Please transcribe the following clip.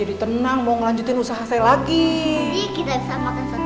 udah udah yang penting anak bo spice